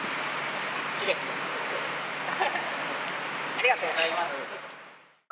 ありがとうございます。